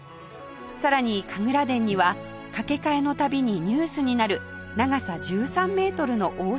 さらに神楽殿には掛け替えの度にニュースになる長さ１３メートルの大注連縄